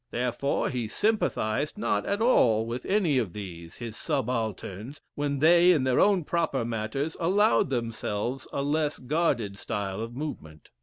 Therefore, he sympathized not at all with any of these, his subalterns, when they, in their own proper matters, allowed themselves a less guarded style of movement."